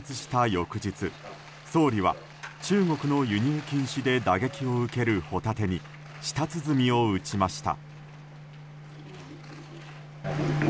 翌日総理は、中国の輸入禁止で打撃を受けるホタテに舌つづみを打ちました。